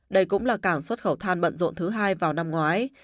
đây cũng là cảng xuất khẩu than bận rộn thứ hai vào năm ngoái